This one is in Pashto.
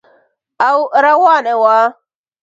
او روانه وه.